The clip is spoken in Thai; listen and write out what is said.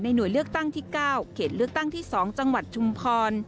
หน่วยเลือกตั้งที่๙เขตเลือกตั้งที่๒จังหวัดชุมพร